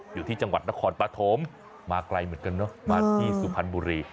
อยู่ที่จังหวัดนครปฐมมาไกลเหมือนกันเนอะมาที่สุพรรณบุรี